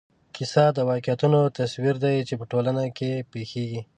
کیسه د واقعیتونو تصویر دی چې په ټولنه کې پېښېږي.